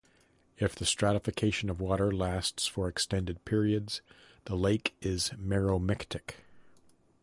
If the stratification of water lasts for extended periods, the lake is meromictic.